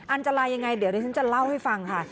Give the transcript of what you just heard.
อันตรายยังไงเดี๋ยวดิฉันจะเล่าให้ฟังค่ะ